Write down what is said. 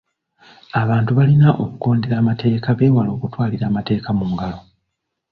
Abantu balina okugondera amateeka beewale okutwalira amateeka mu ngalo.